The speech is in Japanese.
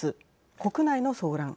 国内の騒乱。